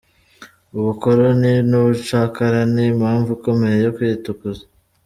Ubukoroni n’ubucakara ni impamvu ikomeye yo kwitukuza.